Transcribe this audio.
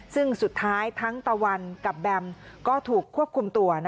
ซึ่งสุดท้ายทั้งตะวันกับแบมก็ถูกควบคุมตัว